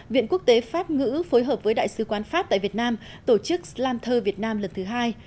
viện quốc tế pháp ngữ phối hợp với đại sứ quán pháp tại việt nam tổ chức slamter việt nam lần thứ hai